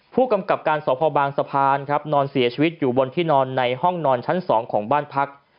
ผู้กำกับการสพบางสะพานครับนอนเสียชีวิตอยู่บนที่นอนในห้องนอนชั้น๒ของบ้านพัก